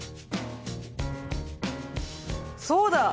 そうだ！